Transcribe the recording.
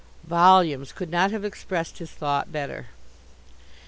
Volumes could not have expressed his thought better.